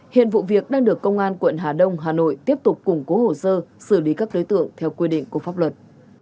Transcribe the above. hiện vụ việc đang được công an quận hà đông hà nội tiếp tục củng cố hồ sơ xử lý các đối tượng theo quy định của pháp luật